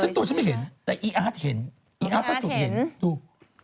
ซึ่งตัวฉันไม่เห็นแต่อีอาร์ตเห็นอีอาร์ตพระสุทธิเห็นดู